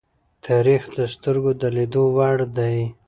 تاریخ د سترگو د لیدلو وړ دی.